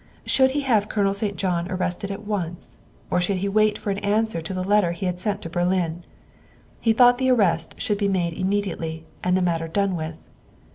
Should he have Colonel St. John arrested at once, or should he wait for an answer to the letter he had sent to Berlin ? He thought the arrest should be made im mediately and the matter done with.